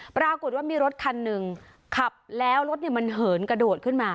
ปรากฏว่ามีรถคันหนึ่งขับแล้วรถมันเหินกระโดดขึ้นมา